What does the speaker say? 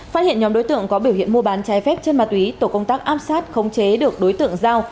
phát hiện nhóm đối tượng có biểu hiện mua bán trái phép trên ma túy tổ công tác áp sát khống chế được đối tượng giao